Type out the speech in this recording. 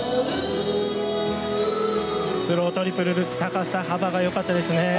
スロートリプルルッツ高さ、幅が良かったですね。